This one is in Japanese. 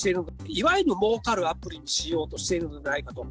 いわゆるもうかるアプリにしようとしているのではないかと。